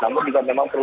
namun juga memang perlu